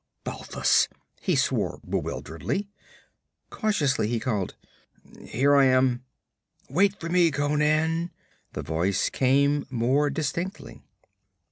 'Balthus!' he swore bewilderedly. Cautiously he called: 'Here I am.' 'Wait for me, Conan!' the voice came more distinctly.